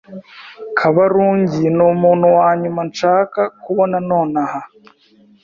Kabarungi numuntu wanyuma nshaka kubona nonaha.